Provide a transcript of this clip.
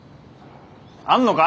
あんのか？